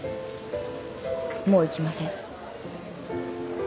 もう行きません。